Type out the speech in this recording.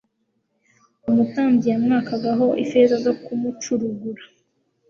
umutambyi yamwakagaho ifeza zo kumucurugura.